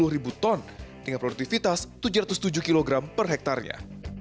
enam ratus empat puluh ribu ton dengan produktivitas tujuh ratus tujuh kilogram per hektarnya